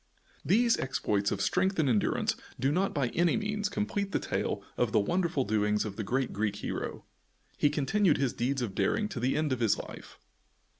These exploits of strength and endurance do not by any means complete the tale of the wonderful doings of the great Greek hero. He continued his deeds of daring to the end of his life.